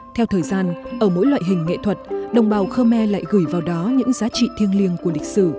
theo thời gian ở mỗi loại hình nghệ thuật đồng bào khơ me lại gửi vào đó những giá trị thiêng liêng của lịch sử